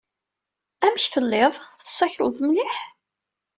Amek telliḍ? Tessakleḍ mliḥ?